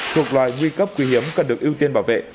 thuộc loài nguy cấp quý hiếm cần được ưu tiên bảo vệ